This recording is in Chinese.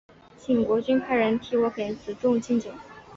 请国君派人替我给子重进酒。